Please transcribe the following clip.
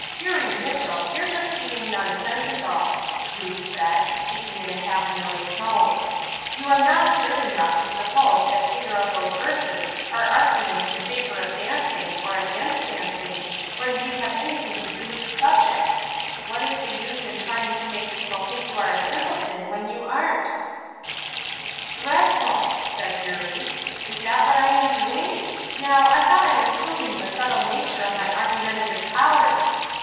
"Eurie Mitchell, you are just being nonsensical!" Ruth said, speaking in a half annoyed tone. "You are not absurd enough to suppose that either of those verses are arguments in favor of dancing, or against dancing, or indeed have anything to do with the subject? What is the use in trying to make people think you are a simpleton, when you aren't." "Dreadful!" said Eurie. "Is that what I'm doing? Now, I thought I was proving the subtle nature of my argumentative powers.